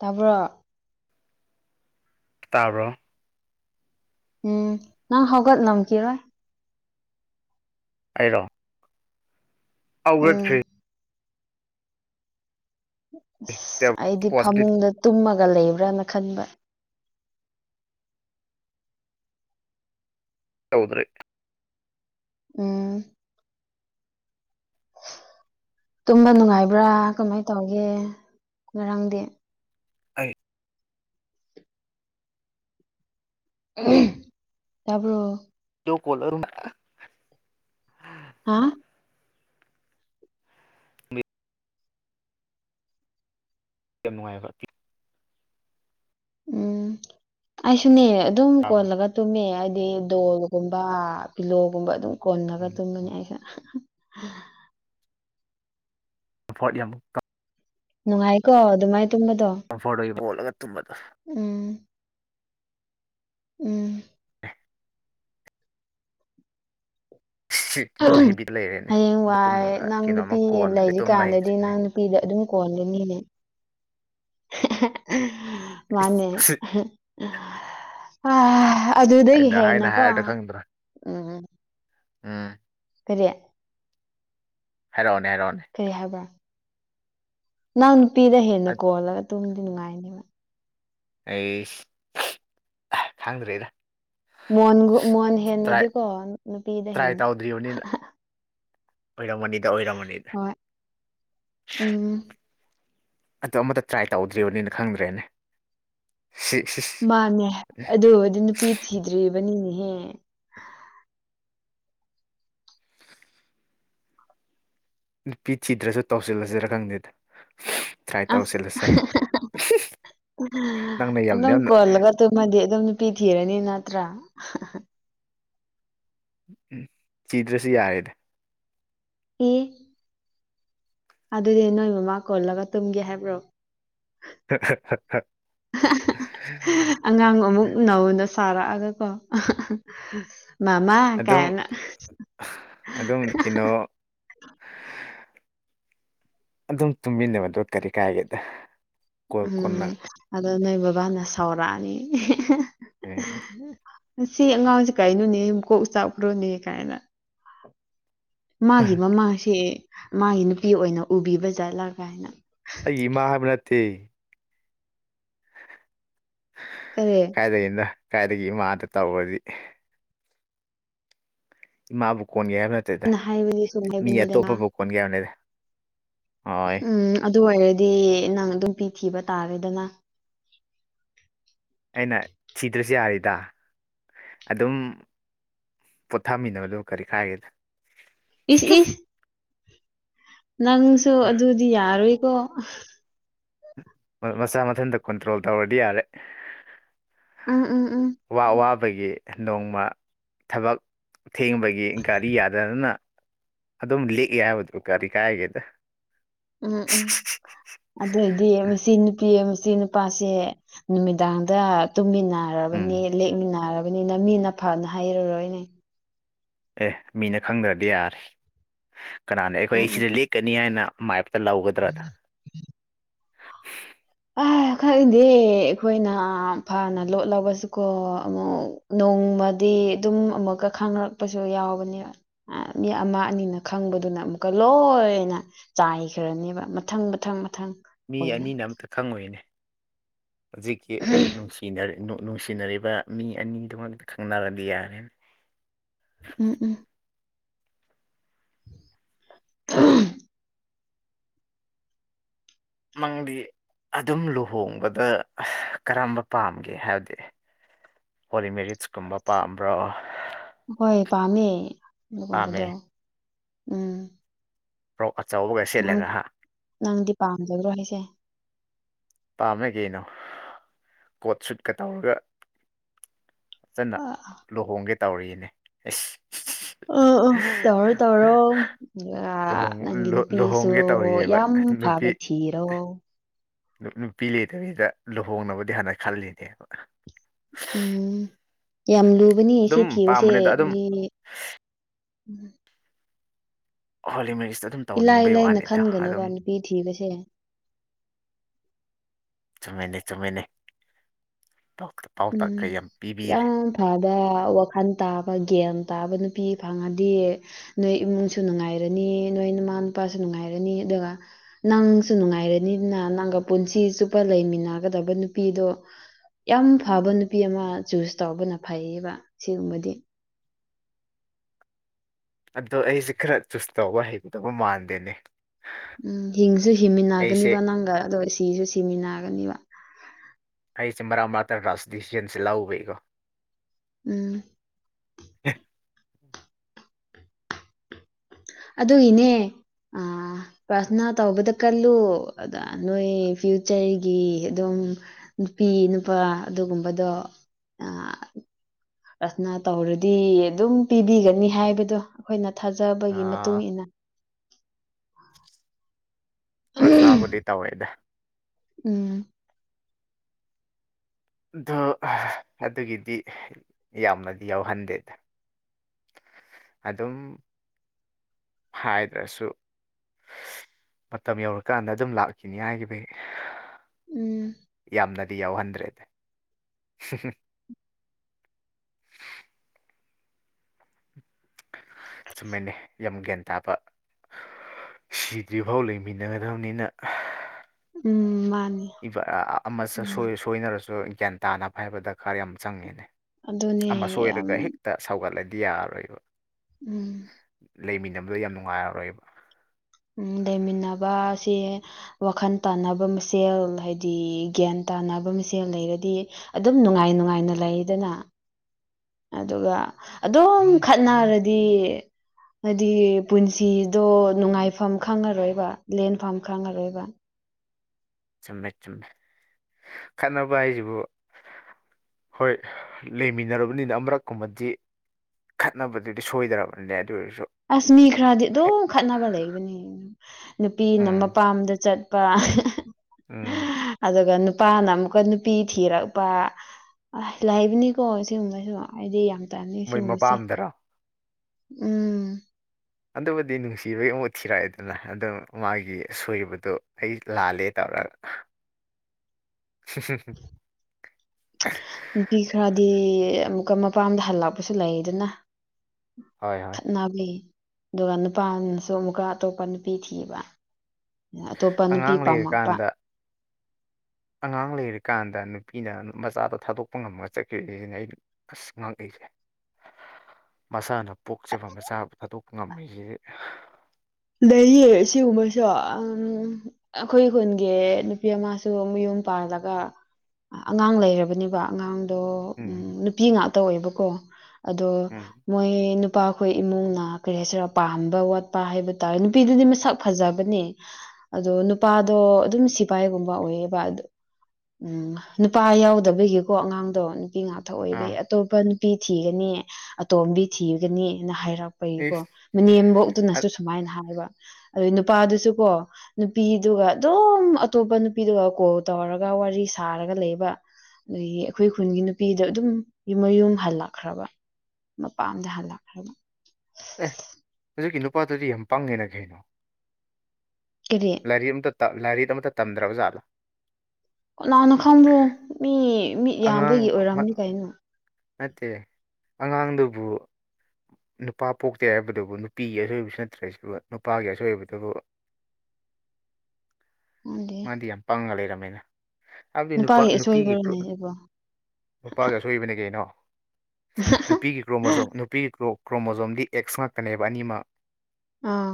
ꯇꯥꯕ꯭ꯔꯣ ꯇꯥꯕ꯭ꯔꯣ ꯎꯝ ꯅꯪ ꯍꯧꯒꯠꯂꯝꯈꯤꯔꯣꯏ ꯑꯩꯔꯣ ꯑꯧꯒꯠ ꯎꯝ ꯊ ꯑꯁ ꯑꯩꯗꯤ ꯋꯥꯆꯞꯇꯤ ꯐꯃꯨꯡꯗ ꯇꯨꯝꯃꯒ ꯂꯩꯕ꯭ꯔꯅ ꯈꯟꯕ ꯇꯧꯗꯔꯤ ꯎꯝ ꯇꯨꯝꯕ ꯅꯨꯡꯉꯥꯏꯕ꯭ꯔꯥ ꯀꯃꯥꯏ ꯇꯧꯒꯦ ꯉꯔꯥꯡꯗꯤ ꯑꯩ ꯇꯕꯣ ꯇ ꯀꯣꯂꯔꯨꯅ ꯍꯥ ꯌꯥꯝ ꯅꯨꯡꯉꯥꯏꯦ ꯍꯔ ꯎꯝ ꯑꯩꯁꯨꯅꯦ ꯑꯗꯨꯝ ꯇꯥꯕ꯭ꯔꯣ ꯀꯣꯜꯂꯒ ꯇꯨꯝꯃꯦ ꯍꯥꯏꯗꯤ ꯗꯣꯜꯒꯨꯝꯕ ꯄꯤꯂꯣꯒꯨꯝꯕ ꯑꯗꯨꯝ ꯀꯣꯟꯂꯒ ꯎꯝ ꯇꯨꯝꯕꯅꯦ ꯎꯝ ꯑꯩꯁꯨꯦ ꯎꯝ ꯐ꯭ꯔꯣꯠ ꯌꯥꯝ ꯀꯞ ꯅꯨꯡꯉꯥꯏꯀꯣ ꯑꯗꯨꯃꯥꯏꯅ ꯇꯨꯝꯕꯗꯣ ꯀꯝꯐꯣꯔꯗꯩ ꯃꯣꯜꯂꯒ ꯇꯨꯝꯕꯗ ꯎꯝ ꯎꯝ ꯑꯗꯨꯝ ꯎꯝ ꯍꯩꯕꯤꯠ ꯂꯩꯔꯦꯅꯦ ꯍꯌꯦꯡ ꯑꯗꯨ ꯋꯥꯏ ꯇꯨꯝꯃꯒ ꯅꯪ ꯀꯩꯅꯣꯝꯃ ꯅꯨꯄꯤ ꯀꯣꯟꯗ꯭ꯔꯦ ꯇꯨꯝꯕ ꯂꯩꯔꯤꯀꯥꯟꯗꯗꯤ ꯍꯩꯇ꯭ꯔꯦꯅꯦ ꯅꯪ ꯅꯨꯄꯤꯗ ꯑꯗꯨꯝ ꯀꯣꯟꯂꯅꯤꯅꯦ ꯎꯝ ꯃꯅꯦ ꯑ ꯑꯗꯨꯗꯒꯤ ꯑꯩꯅ ꯍꯥꯏꯅ ꯍꯦꯟꯅꯀꯣ ꯍꯥꯏꯔꯗꯣ ꯎꯝ ꯈꯪꯗ꯭ꯔꯣ ꯎꯝ ꯎꯝ ꯀꯔꯤ ꯍꯥꯏꯔꯛꯑꯣꯅꯦ ꯍꯥꯏꯔꯛꯑꯣꯅꯦ ꯀꯩ ꯍꯥꯏꯕ ꯅꯪ ꯅꯨꯄꯤꯗ ꯍꯦꯟꯅ ꯀꯣꯜꯂꯒ ꯑꯗꯨꯨꯝꯝꯗꯤ ꯅꯨꯡꯉꯥꯏꯅꯦꯕ ꯑꯩꯁ ꯈꯪꯗ꯭ꯔꯦꯗ ꯃꯣꯟ ꯃꯣꯟ ꯍꯦꯟꯅꯗꯤꯦꯀꯣ ꯅꯨꯄꯤꯗ ꯍꯦꯟꯅ ꯗ꯭ꯔꯤꯌꯣꯟꯅꯤ ꯑꯣꯏꯔꯝꯃꯅꯤꯗ ꯑꯣꯏꯔꯝꯃꯅꯤꯗ ꯍꯣꯏ ꯎꯝ ꯑꯗꯣ ꯑꯃꯗ ꯇ꯭ꯔꯥꯏ ꯇꯧꯗ꯭ꯔꯤꯕꯅꯤꯅ ꯈꯪꯗ꯭ꯔꯦꯅꯦ ꯁꯤ ꯁꯤ ꯃꯥꯅꯦ ꯑꯗꯨꯕꯨꯗꯤ ꯅꯨꯄꯤ ꯊꯤꯗ꯭ꯔꯤꯕꯅꯤꯅꯦꯍꯦ ꯅꯨꯄꯤ ꯊꯤꯗꯔꯁꯨ ꯇꯧꯁꯤꯜꯂꯁꯤꯔ ꯈꯪꯗꯦꯗ ꯇ꯭ꯔꯥꯏ ꯑꯁ ꯇꯧꯔꯁꯤꯜꯂꯁꯤꯔ ꯅꯪꯅ ꯌꯥꯝ ꯌꯥꯝꯅ ꯑꯗꯨꯃꯗꯤ ꯑꯗꯨꯝ ꯅꯨꯄꯤ ꯊꯤꯔꯅꯤ ꯅꯠꯇ꯭ꯔꯥ ꯎꯝ ꯆꯤꯗꯔꯁꯨ ꯌꯥꯔꯦꯗ ꯑꯦ ꯑꯗꯨꯗꯤ ꯅꯣꯏ ꯃꯃꯥ ꯀꯣꯜꯂꯒ ꯇꯨꯝꯒꯦ ꯍꯥꯏꯕ꯭ꯔꯣ [unintelligible] ꯑꯉꯥꯡ ꯑꯃꯨꯛ ꯅꯧꯅ ꯁꯥꯔꯛꯑꯒꯀꯣ ꯃꯥꯃꯥ ꯑꯗꯨꯝ ꯀꯥꯏꯅ ꯑꯗꯨꯝ ꯀꯩꯅꯣ ꯑꯗꯨꯝ ꯇꯨꯝꯃꯤꯟꯅꯕꯗꯣ ꯀꯔꯤ ꯀꯥꯏꯒꯦꯗ ꯀꯣꯟ ꯎꯝ ꯀꯣꯟꯅ ꯑꯗꯣ ꯅꯣꯏ ꯕꯥꯕꯥꯅ ꯁꯥꯎꯔꯛꯑꯅꯤ ꯑꯦ, ꯁꯤ ꯑꯉꯥꯡꯁꯤ ꯀꯩꯅꯣꯅꯦ ꯃꯨ ꯀꯣꯛ ꯆꯥꯛꯈ꯭ꯔꯣꯅꯦ ꯀꯥꯏꯅ ꯃꯥꯒꯤ ꯃꯃꯥꯡꯁꯤꯦ ꯃꯥꯒꯤ ꯅꯨꯄꯤ ꯑꯣꯏꯅ ꯎꯕꯤꯕ ꯖꯠꯂꯥ ꯀꯥꯏꯅ ꯑꯩ ꯏꯃꯥ ꯍꯥꯏꯕ ꯅꯠꯇꯦ ꯑꯔꯦ ꯀꯥꯏꯗꯒꯤꯅ ꯀꯥꯏꯗꯒꯤ ꯏꯃꯥꯗ ꯇꯧꯔꯗꯤ ꯏꯃꯥꯕꯨ ꯀꯣꯟꯒꯦ ꯍꯥꯏꯕ ꯅꯠꯇꯦꯗ ꯍꯥꯏꯕꯅꯤ ꯁꯨꯝ ꯃꯤ ꯍꯥꯏꯕꯅꯤꯗꯅ ꯑꯇꯣꯞꯄꯕꯨ ꯀꯣꯟꯒꯦ ꯍꯥꯏꯕꯅꯤꯗ ꯍꯣꯏ ꯎꯝ ꯑꯗꯨ ꯑꯣꯏꯔꯗꯤ ꯅꯪ ꯑꯗꯨꯝ ꯄꯤ ꯊꯤꯕ ꯇꯥꯔꯦꯗꯅ ꯑꯩꯅ ꯊꯤꯗ꯭ꯔꯁꯨ ꯌꯥꯔꯤꯗ ꯑꯗꯨꯝ ꯄꯣꯊꯥꯃꯤꯟꯅꯕꯗꯕꯨ ꯀꯔꯤ ꯀꯥꯏꯌꯦꯗ ꯏꯁ ꯏꯁ ꯅꯪꯁꯨ ꯑꯗꯨꯗꯤ ꯌꯥꯔꯣꯏꯀꯣ ꯃꯆꯥ ꯃꯊꯟꯇ ꯀꯟꯇ꯭ꯔꯣꯜ ꯇꯧꯔꯗꯤ ꯌꯥꯔꯦ ꯑ ꯎꯝ ꯎꯝ ꯋꯥ ꯋꯥꯕꯒꯤ ꯅꯣꯡꯃ ꯊꯕꯛ ꯊꯦꯡꯕꯒꯤ ꯒꯥꯔꯤ ꯌꯥꯗꯗꯅ ꯑꯗꯨꯝ ꯂꯤꯛꯑꯦ ꯍꯥꯏꯕꯗꯨ ꯀꯔꯤ ꯀꯥꯏꯒꯦꯗ ꯎꯝ ꯎꯝ ꯑꯗꯨꯑꯣꯏꯗꯤ ꯃꯆ ꯅꯨꯄꯤ ꯃꯆꯤ ꯅꯨꯄꯥꯁꯦ ꯅꯨꯃꯤꯗꯥꯡꯗ ꯇꯨꯝꯃꯤꯟꯅ ꯎꯝ ꯅꯥꯔꯕꯅꯤ ꯂꯦꯛꯃꯤꯟꯅꯔꯕꯅꯤꯅ ꯃꯤꯅ ꯐꯅ ꯍꯩꯔꯔꯣꯏꯅꯦ ꯑꯦ ꯃꯤꯅ ꯈꯪꯗꯔꯗꯤ ꯌꯥꯔꯦ ꯀꯅꯥꯅ ꯎꯝ ꯑꯩꯈꯣꯏ ꯎꯝ ꯁꯤꯗ ꯂꯦꯛꯀꯅꯤ ꯍꯥꯏꯅ ꯃ꯭ꯌꯦꯞ ꯂꯧꯒꯗ꯭ꯔꯥꯗ ꯑ ꯈꯪꯗꯦ ꯑꯩꯈꯣꯏꯅ ꯐꯅ ꯂꯣꯠꯂꯕꯁꯨꯀꯣ ꯑꯃꯨꯛ ꯅꯣꯡꯃꯗꯤ ꯑꯗꯨꯝ ꯑꯃꯨꯛꯀ ꯈꯪꯉꯛꯄꯁꯨ ꯌꯥꯎꯕꯅꯦꯕ ꯃꯤ ꯑꯃ ꯑꯅꯤꯅ ꯈꯪꯕꯗꯨꯅ ꯑꯃꯨꯛꯀ ꯂꯣꯏꯅ ꯆꯥꯏꯈ꯭ꯔꯅꯦꯕ ꯃꯊꯪ ꯃꯊꯪ ꯃꯊꯪ ꯃꯤ ꯑꯣꯏꯅ ꯑꯅꯤꯅ ꯑꯝꯇ ꯈꯪꯉꯣꯏꯅꯦ ꯍꯧꯖꯤꯛꯀꯤ ꯅꯨꯡꯁꯤ ꯅꯨꯡꯁꯤꯅꯔꯤꯕ ꯃꯤ ꯑꯅꯤꯗꯃꯛꯇ ꯈꯪꯅꯔꯗꯤ ꯌꯥꯔꯦ ꯎꯝ ꯎꯝ ꯎꯝ ꯃꯪꯗꯤ ꯑꯗꯨꯝ ꯂꯨꯍꯣꯡꯕꯗ ꯀꯔꯝꯕ ꯄꯥꯝꯒꯦ ꯍꯥꯏꯕꯗꯤ ꯍꯣꯂꯤꯃꯦꯔꯤꯠꯁꯀꯨꯝꯕ ꯄꯥꯝꯕ꯭ꯔꯣ ꯍꯣꯏ ꯄꯥꯝꯃꯦ ꯄꯥꯝꯃꯦ ꯑꯗꯨꯒꯨꯝꯕꯗꯣ ꯎꯝ ꯐ꯭ꯔꯣꯛ ꯑꯆꯧꯕꯒ ꯅꯪ ꯁꯦꯠꯂꯒ ꯍꯥ ꯅꯪꯗꯤ ꯄꯥꯝꯖꯗ꯭ꯔꯣ ꯑꯩꯁꯦ ꯄꯥꯝꯃꯦ ꯀꯩꯅꯣ ꯀꯣꯠ ꯁꯨꯠꯀ ꯇꯧꯔꯒ ꯐꯖꯅ ꯂꯨꯍꯣꯡꯒꯦ ꯇꯧꯔꯤꯅꯦ ꯑꯣ [unintelligible] ꯑꯣ ꯇꯧꯔꯣ ꯇꯧꯔꯣ ꯑꯗꯨꯒ ꯂꯨꯍꯣꯡ ꯅꯪꯒꯤ ꯂꯨ ꯅꯨꯄꯤꯁꯨ ꯂꯨꯍꯣꯡꯒꯦ ꯇꯧꯔꯤꯌꯦꯕ ꯌꯥꯝ ꯅꯨꯄꯤ ꯐꯕ ꯊꯤ ꯊꯤꯔꫭ ꯅꯨ ꯅꯨꯄꯤ ꯂꯩꯇꯕꯤꯗ ꯂꯨꯍꯣꯡꯅꯕꯗꯤ ꯍꯥꯟꯅ ꯈꯜꯂꯤꯅꯦꯕ ꯎꯝ ꯌꯥꯝ ꯂꯨꯕꯅꯤ ꯁꯤ ꯑꯗꯨꯝ ꯊꯤꯕꯁꯦ ꯄꯥꯝꯕꯅꯤꯗ ꯑꯗꯨꯝ ꯃꯤ ꯎꯝ ꯍꯣꯂꯤ ꯃꯦꯔꯤꯁꯗ ꯑꯗꯨꯝ ꯏꯂꯥꯏ ꯇꯧꯅꯤꯡꯕꯩ ꯂꯥꯏꯅ ꯋꯥꯅꯤꯗ ꯑꯗꯨꯝ ꯈꯟꯒꯅꯣꯕ ꯅꯨꯄꯤ ꯊꯤꯕꯁꯦ ꯆꯨꯝꯃꯤꯅꯩ ꯆꯨꯝꯃꯤꯅꯩ ꯄꯥꯎꯇ ꯄꯥꯎꯇꯥꯛꯀ ꯌꯥꯝ ꯄꯤꯕꯤꯔꯦ ꯑꯥꯗ ꯋꯥꯈꯜ ꯇꯥꯕ ꯒ꯭ꯟ ꯇꯥꯕ ꯅꯨꯄꯤ ꯐꯪꯉꯗꯤ ꯅꯣꯏ ꯏꯃꯨꯡꯁꯨ ꯅꯨꯡꯉꯥꯏꯔꯅꯤ ꯅꯣꯏ ꯅꯃꯥ ꯅꯄꯥꯁꯨ ꯅꯨꯡꯉꯥꯏꯔꯅꯤ ꯑꯗꯨꯒ ꯅꯪꯁꯨ ꯅꯨꯡꯉꯥꯏꯔꯅꯤꯅ ꯅꯪꯒ ꯄꯨꯟꯁꯤ ꯆꯨꯞꯄ ꯂꯩꯃꯤꯟꯅꯒꯗꯕ ꯅꯨꯄꯤꯗꯣ ꯌꯥꯝ ꯐꯕ ꯅꯨꯄꯤ ꯑꯃ ꯆꯨꯁ ꯇꯧꯕꯅ ꯐꯩꯌꯦꯕ ꯁꯤꯒꯨꯝꯕꯗꯤ ꯑꯗꯣ ꯑꯩꯁꯦ ꯈꯔ ꯆꯨꯁ ꯇꯧꯕ ꯍꯩꯒꯗꯕ ꯃꯥꯟꯗꯦꯅꯦ ꯎꯝ ꯍꯤꯡꯁꯨ ꯑꯩꯁꯦ ꯍꯤꯡꯃꯤꯟꯅꯒꯅꯤꯕ ꯅꯪꯒ ꯑꯗꯣ ꯁꯤꯁꯨ ꯁꯤꯃꯤꯟꯅꯒꯅꯤꯕ ꯑꯩꯁꯦ ꯃꯔꯥ ꯃꯔꯥꯇ ꯔꯥꯁ ꯗꯤꯁꯤꯁꯟꯁꯦ ꯂꯧꯕꯩꯀꯣ ꯎꯝ ꯑꯗꯨꯏꯅꯦ ꯑ ꯄ꯭ꯔꯊꯅꯥ ꯇꯧꯕꯗ ꯀꯜꯂꯨ ꯑꯗ ꯅꯣꯏ ꯐ꯭ꯌꯨꯆꯔꯒꯤ ꯑꯗꯨꯝ ꯅꯨꯄꯤ ꯅꯨꯄꯥ ꯑꯗꯨꯒꯨꯝꯕꯗꯣ [inaudible] ꯄ꯭ꯔꯊꯥꯅꯥ ꯇꯧꯔꯗꯤ ꯑꯗꯨꯝ ꯄꯤꯕꯤꯒꯅꯤ ꯍꯥꯏꯕꯗꯣ ꯑꯩꯈꯣꯏꯅ ꯊꯥꯖꯕꯒꯤ ꯃꯇꯨꯡ ꯑꯥ ꯏꯟꯅ ꯄ꯭ꯔꯊꯅꯥꯕꯨꯗꯤ ꯇꯧꯋꯦꯗ ꯎꯝ ꯑꯗꯨ ꯑꯗꯨꯒꯤꯗꯤ ꯌꯥꯝꯅꯗꯤ ꯌꯥꯎꯍꯟꯗꯦꯗ ꯑꯗꯨꯝ ꯍꯥꯏꯗ꯭ꯔꯁꯨ ꯃꯇꯝ ꯌꯧꯔꯀꯥꯟꯗ ꯑꯗꯨꯝ ꯂꯥꯛꯈꯤꯅꯤ ꯍꯥꯏꯔꯤꯕꯦ ꯎꯝ ꯌꯥꯝꯅꯗꯤ ꯌꯥꯎꯍꯟꯗ꯭ꯔꯦꯗ ꯆꯨꯝꯃꯦꯅꯦ ꯌꯥꯝ ꯒ꯭ꯌꯥꯟ ꯇꯥꯕ ꯁꯤꯗ꯭ꯔꯤꯐꯥꯎ ꯂꯩꯃꯤꯟꯅꯒꯗꯕꯅꯤꯅ ꯎꯝ ꯃꯥꯅꯤ [unintelligible] ꯑꯃ ꯎꯝ ꯁꫭꯏ ꯁꯣꯏꯅꯔꯁꯨ ꯒ꯭ꯌꯥꯟ ꯇꯥꯅꯕ ꯍꯥꯏꯕ ꯗꯔꯀꯥꯔ ꯌꯥꯝ ꯆꯪꯉꯦꯅꯦ ꯑꯗꯨꯅꯦ ꯑꯃꯁ ꯌꯥꯝ ꯁꯣꯏꯔꯒ ꯍꯦꯛꯇ ꯁꯧꯒꯠꯂꯗꯤ ꯌꯥꯔꯣꯏꯕ ꯎꯝ ꯂꯩꯃꯤꯟꯅꯕꯗꯣ ꯌꯥꯝ ꯅꯨꯡꯉꯥꯏꯔꯔꯣꯏꯕ ꯂꯩꯃꯤꯟꯅꯕ ꯑꯁꯤ ꯋꯥꯈꯜ ꯇꯥꯟꯅꯕ ꯃꯁꯦꯜ ꯍꯥꯏꯗꯤ ꯒ꯭ꯌꯥꯟ ꯇꯥꯅꯕ ꯃꯁꯦꯜ ꯂꯩꯔꯗꯤ ꯑꯗꯨꯝ ꯅꯨꯡꯉꯥꯏ ꯅꯨꯡꯉꯥꯏꯅ ꯂꯩꯗꯅ ꯑꯗꯨꯒ ꯑꯗꯨꯝ ꯈꯠꯅꯔꯗꯤ ꯍꯥꯏꯗꯤ ꯄꯨꯟꯁꯤꯗꯣ ꯅꯨꯡꯉꯥꯏꯐꯝ ꯈꯪꯉꯔꯣꯏꯕ ꯂꯦꯟꯐꯝ ꯈꯪꯉꯔꯣꯏꯕ ꯆꯨꯝꯃꯦ ꯆꯨꯝꯃꯦ ꯈꯠꯅꯕ ꯍꯥꯏꯁꯤꯕꯨ ꯍꯣꯏ ꯂꯩꯃꯤꯟꯅꯔꯕꯅꯤꯅ ꯑꯃꯨꯔꯛꯀꯨꯝꯕꯗꯤ ꯈꯠꯅꯕꯗꯨꯗꯤ ꯁꯣꯏꯗ꯭ꯔꯕꯅꯤꯅꯦ ꯑꯗꯨ ꯑꯣꯏꯔꯁꯨ ꯑꯁꯃꯤ ꯈꯔꯗꯤ ꯍꯦꯛ ꯑꯗꯨꯝ ꯈꯠꯅꯕ ꯂꯩꯕꯅꯤ ꯅꯨꯄꯤꯅ ꯎꯝ ꯃꯄꯥꯝꯗ ꯆꯠ [unintelligible] ꯎꯝ ꯑꯗꯨꯒ ꯅꯨꯄꯥꯅ ꯑꯃꯨꯛꯀ ꯅꯨꯄꯤ ꯊꯤꯔꯛꯄ ꯂꯕꯅꯤꯀꯣ ꯑꯁꯦꯡꯕꯩꯁꯨ ꯍꯥꯏꯗꯤ ꯌꯥꯝ ꯇꯥꯅ ꯃꯣꯏ ꯁꯤꯒꯨꯝꯕꯁꯦ ꯃꯄꯥꯝꯗꯔꯣ ꯎꯝ ꯑꯗꯨꯕꯨꯗꯤ ꯅꯨꯡꯁꯤꯕꯒꯤ ꯑꯃꯨꯛ ꯊꯤꯔꯛꯑꯦꯗꯅ ꯑꯗꯨꯣ ꯃꯥꯒꯤ ꯑꯁꯣꯏꯔꯤꯕꯗꯣ ꯑꯩ ꯂꯥꯜꯂꯦ ꯇꯧꯔꯒ ꯎꯝꯝ ꯅꯨꯡꯇꯤ ꯈꯔꯗꯤ ꯑꯃꯨꯛꯀ ꯃꯄꯥꯝꯗ ꯍꯜꯂꯛꯄꯁꯨ ꯂꯩꯗꯅ ꯍꯣꯏ ꯍꯣꯏ ꯅꯥꯕꯤ ꯑꯗꯨꯒ ꯅꯨꯄꯥꯅꯁꯨ ꯑꯃꯨꯛꯀ ꯑꯇꯣꯞꯄ ꯅꯨꯄꯤ ꯊꯤꯕ ꯑꯇꯣꯞꯄ ꯅꯨꯄꯤ ꯑꯉꯥꯡ ꯄꯥꯝꯃꯛꯄ ꯂꯩꯔꯤꯀꯥꯟꯗ ꯑꯉꯥꯡ ꯂꯩꯔꯤꯀꯥꯟꯗ ꯅꯨꯄꯤꯅ ꯃꯆꯥꯗ ꯊꯥꯗꯣꯛꯄ ꯉꯝꯃꯒ ꯆꯠꯈꯤꯕꯅꯦꯁꯤꯅ ꯑꯩ ꯑꯁ ꯃꯥꯒꯩꯁ ꯃꯁꯥꯅ ꯄꯣꯛꯆꯕ ꯃꯆꯥ ꯊꯥꯗꯣꯛꯄ ꯉꯝꯃꯤꯁꯦ ꯂꯩ ꯁꯤꯒꯨꯝꯕꯁꯨ ꯎꯝ ꯑꯩꯈꯣꯏ ꯈꯨꯟꯒꯤ ꯅꯨꯄꯤ ꯑꯃꯁꯁꯨ ꯃꯌꯨꯝ ꯄꯥꯜꯂꯒ ꯑꯉꯥꯡ ꯂꯩꯔꯕꯅꯦꯕ ꯑꯉꯥꯡ ꯑꯗꯣ ꯎ ꯎꯝ ꯅꯨꯄꯤ ꯉꯥꯛꯇ ꯑꯣꯏꯦꯕꯀꯣ ꯑꯗꯣ ꯎꯝ ꯃꯣꯏ ꯅꯨꯄꯥꯈꯣꯏ ꯏꯃꯨꯡꯅ ꯀꯔꯤ ꯍꯥꯏꯁꯤꯔ ꯄꯥꯝꯕ ꯋꯥꯠꯄ ꯍꯥꯏꯕ ꯍꯥꯏꯔꯦ ꯅꯨꯄꯤꯗꯨꯗꯤ ꯃꯁꯛ ꯐꯖꯕꯅꯦ ꯑꯗꯣ ꯅꯨꯄꯥꯗꯣ ꯑꯗꯨꯝ ꯁꯤꯐꯥꯏꯒꯨꯝꯕ ꯑꯣꯏꯌꯦꯕ ꯎꯝ ꯅꯨꯄꯥ ꯌꯥꯎꯗꯕꯒꯤꯀꯣ ꯑꯉꯥꯡꯗꯣ ꯅꯨꯄꯤ ꯉꯥꯛ ꯑꯣꯏꯕꯩ ꯑꯥ ꯑꯇꯣꯞꯄ ꯅꯨꯄꯤ ꯊꯤꯒꯅꯤ ꯑꯇꯣꯝꯕꯤ ꯊꯤꯒꯅꯤꯅ ꯍꯥꯏꯔꯛꯄꯒꯤꯀꯣ ꯏꯁ ꯑ- ꯃꯅꯦꯝꯕꯣꯛꯇꯨꯅꯁꯨ ꯁꯨꯃꯥꯏꯅ ꯍꯥꯏꯕ ꯑꯗꯨ ꯅꯨꯄꯥꯗꯨꯁꯨ ꯀꯣ ꯅꯨꯄꯤꯗꯨꯒ ꯑꯗꯨꯝ ꯑꯇꯣꯞꯄ ꯅꯨꯄꯤꯗꯨꯒ ꯀꯣꯜ ꯇꯧꯔꯒ ꯋꯥꯔꯤ ꯁꯥꯔꯒ ꯂꯩꯕ ꯑꯗꯒꯤ ꯑꯩꯈꯣꯏ ꯈꯨꯟꯒꯤ ꯅꯨꯄꯤꯗ ꯑꯗꯨꯝ ꯌꯨꯝ ꯃꯌꯨꯝ ꯍꯜꯂꯛꯈ꯭ꯔꯕ ꯃꯄꯥꯟꯗ ꯍꯜꯂꯛꯈ꯭ꯔꯕ ꯑꯦ ꯍꯧꯖꯤꯛꯀꯤ ꯅꯨꯄꯥꯗꯨꯗꯤ ꯌꯥꯝ ꯄꯥꯡꯉꯦꯅ ꯀꯩꯅꯣ ꯀꯔꯤ ꯂꯥꯏꯔꯤ ꯑꯃꯝꯇ ꯂꯥꯏꯔꯤꯛ ꯑꯃꯇ ꯇꯝꯗ꯭ꯔꯕ ꯑꯣꯖꯥꯠꯗꯣ ꯀꯅꯥꯅ ꯈꯪꯕ꯭ꯔꯣ ꯃꯤ ꯃꯤꯠ ꯑꯉꯥꯡ ꯌꯥꯝꯕꯒꯤ ꯑꯃ- ꯑꯣꯏꯔꯝꯅꯤ ꯀꯩꯅꯣ ꯅꯠꯇꯦ ꯑꯉꯥꯡꯗꯨꯕꯨ ꯅꯨꯄꯥ ꯄꯣꯛꯇꯦ ꯍꯥꯏꯕꯗꯨꯕꯨ ꯅꯨꯄꯤꯒꯤ ꯑꯁꯣꯏꯕꯁꯨ ꯅꯠꯇ꯭ꯔꯁꯨꯕꯨ ꯅꯨꯄꯥꯒꯤ ꯑꯁꯣꯏꯕꯗꯨꯕꯨ ꯈꯪꯗꯦ ꯃꯥꯗꯤ ꯌꯥꯝ ꯄꯥꯡꯉ ꯂꯩꯔꯝꯃꯦꯅ [inaudible] ꯅꯨꯄꯥ ꯅꯨꯄꯥꯒꯤ ꯅꯨꯄꯤꯒꯤ ꯀ꯭ꯔꯨ ꯑꯁꯣꯏꯕꯔꯅꯦ ꯍꯥꯏꯕꯣ ꯅꯨꯄꯥꯒ ꯑꯁꯣꯏꯕꯅꯦ ꯀꯩꯅꯣ [inaudible] ꯅꯨꯄꯤꯒꯤ ꯀ꯭ꯔꯣꯃꯣꯖꯣꯝ ꯅꯨꯄꯤꯒꯤ ꯀ꯭ꯔꯣ ꯀ꯭ꯔꯣꯃꯣꯖꯣꯝꯗꯤ ꯑꯦꯛꯁ ꯉꯥꯛꯛꯇꯅꯦꯕ ꯑꯅꯤꯃꯛ ꯑꯥ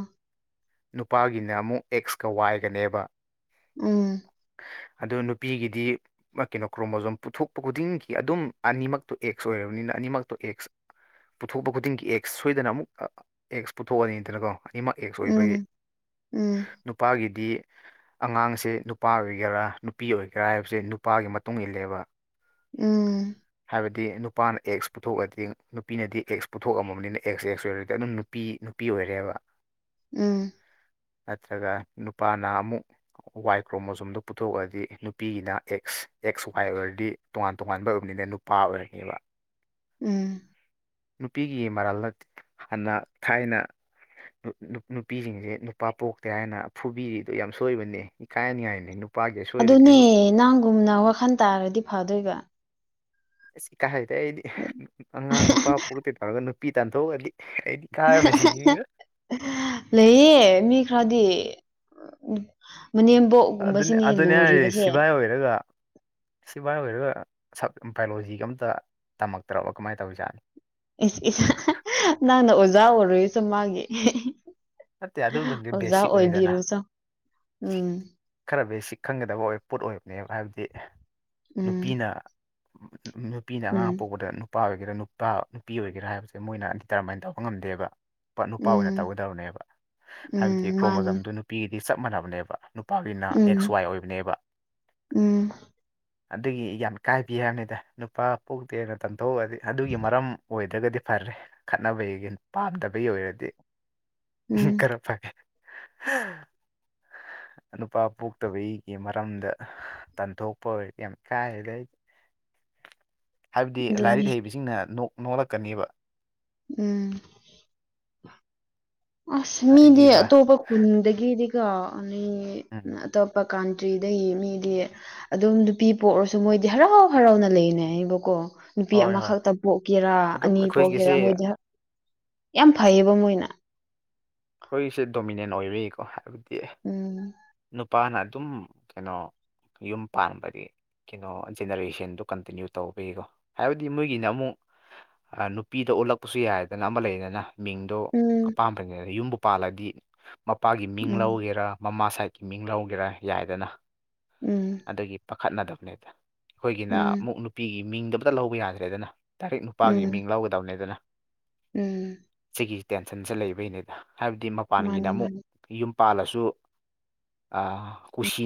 ꯅꯨꯄꯥꯒꯤꯅ ꯑꯃꯨꯛ ꯑꯦꯛꯁꯀ ꯋꯥꯏꯒꯅꯦꯕ ꯎꯝ ꯑꯗ ꯅꯨꯄꯤꯒꯤꯗꯤ ꯀꯩꯅꯣ ꯀ꯭ꯔꯣꯃꯣꯖꯣꯝ ꯄꯨꯊꯣꯛꯄ ꯈꯨꯗꯤꯡꯒꯤ ꯑꯗꯨꯝ ꯑꯅꯤꯃꯛꯇꯣ ꯑꯦꯛꯁ ꯑꯣꯏꯔꯕꯅꯤꯅ ꯑꯅꯤꯃꯛꯇꯣ ꯑꯦꯛꯁ ꯄꯨꯊꯣꯛꯄ ꯈꯨꯗꯤꯡꯒꯤ ꯑꯦꯛꯁ ꯁꯣꯏꯗꯅ ꯑꯃꯨꯛ ꯑꯦꯛꯁ ꯄꯨꯊꯣꯛꯑꯅꯤꯗꯅꯀꯣ ꯅꯤꯃꯛ ꯑꯦꯛꯁ ꯑꯣꯏꯕꯒꯤ ꯎꯝ ꯎꯝ ꯅꯨꯄꯥꯒꯤꯗꯤ ꯑꯉꯥꯡꯁꯦ ꯅꯨꯄꯥ ꯑꯣꯏꯒꯦꯔꯥ ꯅꯨꯄꯤ ꯑꯣꯏꯒꯦꯔꯥ ꯍꯥꯏꯕꯕꯁꯤꯦ ꯅꯨꯄꯥꯒꯤ ꯃꯇꯨꯡ ꯏꯜꯂꯦꯕ ꯎꯝ ꯍꯥꯏꯔꯗꯤ ꯅꯨꯄꯥꯅ ꯑꯦꯛꯁ ꯄꯨꯊꯣꯛꯑꯗꯤ ꯅꯨꯄꯤꯅꯗꯤ ꯑꯦꯛꯁ ꯄꯨꯊꯣꯛꯑꯝꯃꯕꯅꯤꯅ ꯑꯦꯛꯁ ꯑꯦꯛꯁ ꯑꯣꯏꯔꯗꯤ ꯑꯗꯨꯝ ꯅꯨꯄꯤ ꯅꯨꯄꯤ ꯑꯣꯏꯔꯦꯕ ꯎꯝ ꯅꯠꯇ꯭ꯔꯒ ꯅꯨꯄꯥꯅ ꯑꯃꯨꯛ ꯋꯥꯏ ꯀ꯭ꯔꯣꯃꯣꯖꯣꯝꯗꯣ ꯄꯨꯊꯣꯛꯑꯗꯤ ꯅꯨꯄꯤꯒꯤꯅ ꯑꯦꯛꯁ ꯑꯦꯛꯁ ꯋꯥꯏ ꯑꯣꯏꯔꯗꯤ ꯇꯣꯉꯥꯟ ꯇꯣꯉꯥꯟꯕ ꯑꯣꯏꯕꯅꯤꯅ ꯅꯨꯄꯥ ꯑꯣꯏꯔꯅꯦꯦꯕ ꯎꯝ ꯅꯨꯄꯤꯒꯤ ꯃꯔꯥꯜꯅ ꯍꯥꯟꯅ ꯊꯥꯏꯅ ꯅꯨꯄꯤꯁꯤꯡꯁꯦ ꯅꯨꯄꯥ ꯄꯣꯛꯇꯦ ꯍꯥꯏꯅ ꯐꯨꯕꯤꯔꯤꯗꯣ ꯌꯥꯝ ꯁꯣꯏꯕꯅꯤ ꯏꯀꯥꯏꯅꯤꯡꯉꯥꯏꯅꯤ ꯑꯗꯨꯅꯦ ꯅꯪꯒꯨꯝꯅ ꯋꯥꯈꯜ ꯇꯥꯔꯗꯤ ꯐꯗꯣꯏꯕ ꯑꯩꯁ ꯀꯥ ꯍꯥꯏꯗꯦ ꯑꯩꯗꯤ ꯑꯉꯥꯡ ꯅꯨꯄꯥ ꯄꯣꯛꯛꯇꯣꯏ ꯇꯧꯔꯒ ꯅꯨꯄꯤ ꯇꯥꯟꯊꯣꯛꯑꯒꯗꯤ ꯑꯩꯗꯤ ꯀꯥꯏꯕꯅ ꯁꯤꯈꯤꯅꯤꯗ [unintelligible] ꯂꯩꯌꯦ ꯃꯤ ꯈꯔꯗꯤ ꯃꯅꯦꯝꯕꯣꯛ ꯑꯗꯨ ꯑꯗꯨꯅꯤ ꯍꯥꯏꯔꯦ ꯁꯤꯚꯥꯏ ꯑꯣꯏꯔꯒ ꯁꯤꯚꯥꯏ ꯑꯣꯏꯔꯒ ꯁ ꯕꯥꯏꯑꯣꯂꯣꯖꯤꯒ ꯑꯝꯇ ꯇꯝꯃꯛꯇ꯭ꯔꯕ ꯀꯃꯥꯏꯅ ꯇꯧꯔꯤꯖꯥꯠꯅꯤ ꯅꯪꯅ ꯑꯣꯖꯥ ꯑꯣꯏꯔꯨꯁꯨ ꯃꯥꯒꯤ ꯅꯠꯇꯦ ꯑꯗꯨꯕꯨꯗꯤ ꯑꯣꯖꯥ ꯕꯦꯁꯤꯛ ꯑꯣꯏꯕꯤꯔꯨꯁꯨꯣ ꯎꯝ ꯈꯔꯕꯨꯩ ꯁꯤ ꯈꯪꯒꯗꯕ ꯄꯣꯠ ꯑꯣꯏꯕꯅꯦꯕ ꯍꯥꯏꯕꯗꯤ ꯎꯝ ꯅꯨꯄꯤꯅ ꯅꯨꯄꯤꯅ ꯑꯉꯥꯡ ꯎꯝ ꯄꯣꯛꯄꯗ ꯅꯨꯄꯥ ꯑꯣꯏꯒꯦꯔꯥ ꯅꯨꯄꯥ ꯅꯨꯄꯤ ꯑꯣꯏꯒꯦꯔꯥ ꯍꯥꯏꯕꯁꯦ ꯃꯣꯏꯅ ꯗꯤꯇꯔꯃꯥꯏꯟ ꯇꯧꯕ ꯉꯝꯗꯦꯕ ꯅꯨꯄꯥ ꯑꯣꯏꯅ ꯎꯝ ꯇꯧꯒꯗꯕꯅꯦꯕ ꯍꯥꯏꯕꯗꯤ ꯎꯝ ꯃꯥꯅꯤ ꯀ꯭ꯔꯣꯃꯣꯖꯝꯗꯨ ꯅꯨꯄꯤꯒꯤꯗꯤ ꯆꯞ ꯃꯥꯟꯅꯕꯅꯦꯕ ꯅꯨꯄꯥꯒꯤꯅ ꯑꯦꯛꯁ ꯎꯝ ꯋꯥꯏ ꯑꯣꯏꯕꯅꯦꯕ ꯎꯝ ꯑꯗꯨꯒꯤ ꯌꯥꯝ ꯀꯥꯏꯕꯤ ꯍꯥꯏꯕꯅꯤꯗ ꯅꯨꯄꯥ ꯄꯣꯛꯇꯦꯅ ꯇꯝꯊꯣꯛꯗꯤ ꯑꯗꯨꯒꯤ ꯃꯔꯝ ꯑꯣꯏꯗ ꯑꯗꯨꯒꯗꯤ ꯐꯔꯦ ꯈꯠꯅꯕꯒꯤ ꯄꯥꯝꯗꯕꯒꯤ ꯑꯣꯏꯔꯗꯤ ꯎꯝ ꯈꯔ ꯐꯒꯦ ꯅꯨꯄꯥ ꯄꯣꯛꯇꯕꯩꯒꯤ ꯃꯔꯝꯗ ꯇꯟꯊꯣꯛꯄ ꯌꯥꯝꯦꯝ ꯀꯥꯏ ꯂꯩ ꯍꯥꯏꯕꯗꯤ ꯂꯥꯏꯔꯤꯛ ꯑꯗꯨꯅꯤ ꯍꯩꯕꯁꯤꯡꯅ ꯅꯣꯛꯂꯛꯀꯅꯦꯕ ꯎꯝ ꯑꯁ ꯃꯤꯗꯤ ꯍꯥꯏꯗꯤꯕ ꯑꯇꯣꯞꯄ ꯈꯨꯟꯗꯒꯤꯗꯤꯒ ꯑ ꯎꯝ ꯑꯇꯣꯞꯄ ꯀꯟꯇ꯭ꯔꯤꯗꯒꯤ ꯃꯤꯗꯤ ꯑꯗꯨꯝ ꯅꯨꯄꯤ ꯄꯣꯛꯔꯁꯨ ꯃꯣꯏꯗꯤ ꯍꯔꯥꯎ ꯍꯔꯥꯎꯅ ꯂꯩꯅ ꯑꯩꯕꯀꯣ ꯅꯨꯄꯤ ꯍꯣꯏ ꯍꯣꯏ ꯑꯃꯈꯛꯇ ꯄꯣꯛꯀꯦꯔꯥ ꯑꯗꯨꯝ ꯑꯅꯤ ꯄꯣꯛꯀꯦꯔꯥ ꯑꯩꯈꯣꯏꯒꯤꯁꯦ ꯃꯣꯏꯗꯤ ꯍ ꯌꯥꯝ ꯐꯩꯌꯦꯕ ꯃꯣꯏꯅ ꯑꯩꯈꯣꯏꯁꯦ ꯗꯣꯃꯤꯅꯦꯟ ꯑꯣꯏꯔꯀꯣ ꯍꯥꯏꯕꯗꯤ ꯎꯝ ꯅꯨꯄꯥꯅ ꯑꯗꯨꯝ ꯀꯩꯅꯣ ꯌꯨꯝ ꯄꯥꯟꯕꯗꯤ ꯀꯩꯅꯣ ꯖꯦꯅꯔꯦꯁꯟꯗꯨꯣ ꯀꯟꯇꯤꯅ꯭ꯌꯨ ꯇꯧꯕꯤꯀꯣ ꯍꯥꯏꯕꯗꯤ ꯃꯣꯏꯒꯤꯅ ꯑꯃꯨꯛ ꯅꯨꯄꯤꯗ ꯑꯣꯜꯂꯛꯄꯁꯨ ꯌꯥꯏꯗꯅ ꯑꯃ ꯂꯩꯗꯅ ꯃꯤꯡꯗꯣ ꯎꯝ ꯑꯄꯥꯝꯕꯅꯦ ꯌꯨꯝꯕꯨ ꯄꯥꯜꯂꯗꯤ ꯃꯄꯥꯒꯤ ꯃꯤꯡ ꯎꯝ ꯂꯧꯒꯦꯔꯥ ꯃꯃꯥ ꯁꯥꯏꯠ ꯃꯤꯡ ꯂꯧꯒꯦꯔꯥ ꯌꯥꯏꯗꯅ ꯎꯝ ꯑꯗꯨꯗꯒꯤ ꯄꯥꯈꯠꯅꯗꯕꯅꯦꯗ ꯑꯩꯈꯣꯏꯒꯤꯅ ꯎꯝ ꯑꯃꯨꯛ ꯅꯨꯄꯤꯒꯤ ꯃꯤꯡꯗꯕꯇ ꯂꯧꯕ ꯌꯥꯗ꯭ꯔꯦꯗꯅ ꯗꯥꯏꯔꯤꯛ ꯅꯨꯄꯥꯒꯤ ꯎꯝ ꯃꯤꯡ ꯂꯧꯒꯗꯕꯅꯦ ꯑꯗꯨꯅ ꯎꯝ ꯑꯩꯒꯤ ꯇꯦꯟꯁꯟꯁꯦ ꯂꯩꯕꯩꯅꯤꯗ ꯍꯥꯏꯕꯗꯤ ꯃꯄꯥꯟꯒꯤꯅ ꯃꯥꯅꯤ ꯑꯃꯨꯛ ꯃꯥꯅꯤ ꯌꯨꯝ ꯄꯥꯜꯂꯁꯨ ꯀꯨꯁꯤ